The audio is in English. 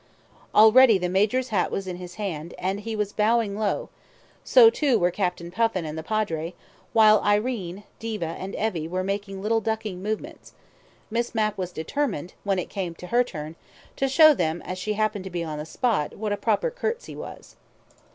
Already the Major's hat was in his hand, and he was bowing low, so too were Captain Puffin and the Padre, while Irene, Diva and Evie were making little ducking movements. ... Miss Mapp was determined, when it came to her turn, to show them, as she happened to be on the spot, what a proper curtsy was.